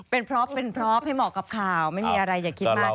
เป็นพร้อมให้เหมาะกับข่าวไม่มีอะไรอย่าคิดมากนะคะ